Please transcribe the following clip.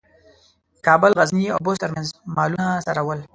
د کابل، غزني او بُست ترمنځ مالونه څرول.